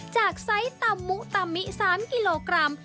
จากไซส์ตำหมูตำมิ๓กิโลกรัม